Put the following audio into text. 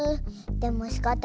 でもしかたない。